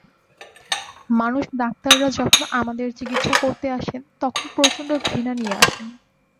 মানুষ ডাক্তাররা যখন আমাদের চিকিৎসা করতে আসেন তখন প্রচণ্ড ঘৃণা নিয়ে আসেন।